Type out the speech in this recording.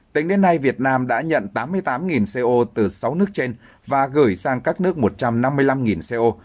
tính đến nay việt nam đã nhận tám mươi tám co từ sáu nước trên và gửi sang các nước một trăm năm mươi năm co